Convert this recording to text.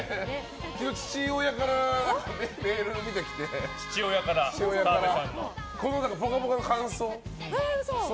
昨日、父親からメールが来てこの「ぽかぽか」の感想。